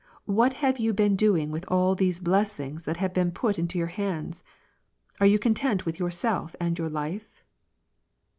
What have you been do ing with all those blessings that have been put into your hi^ds ? Are you content with yourself and your life